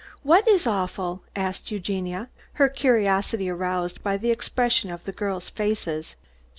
"What is awful?" asked Eugenia, her curiosity aroused by the expression of the girls' faces.